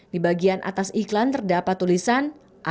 di bagian atas iklan terdapat tulisan